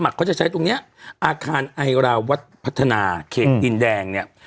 เขาจะใช้ตรงนี้อาคารไอราวัดพัฒนาเขตดินแดงเนี่ย